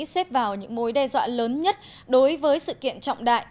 xếp vào những mối đe dọa lớn nhất đối với sự kiện trọng đại